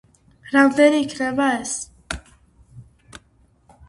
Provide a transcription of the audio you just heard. რამდენი იქნება ეს?